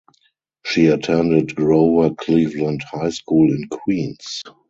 She attended Grover Cleveland High School in Queens.